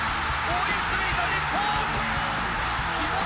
追いついた、日本！